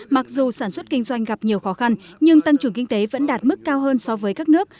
mặc dù sản xuất kinh doanh gặp nhiều khó khăn nhưng tăng trưởng kinh tế vẫn đạt mức cao hơn so với các nước